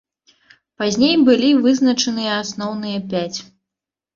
Пазней былі вызначаныя асноўныя пяць.